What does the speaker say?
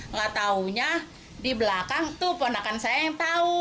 nggak taunya di belakang tuh pendekan saya yang tahu